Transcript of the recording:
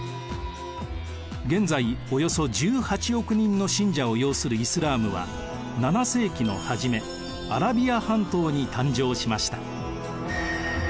現在およそ１８億人の信者を擁するイスラームは７世紀の初めアラビア半島に誕生しました。